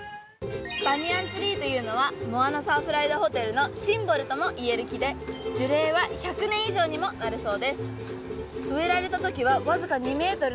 バニヤンツリーというのはモアナサーフライダーホテルのシンボルともいえる木で樹齢は１００年以上にもなるそうです。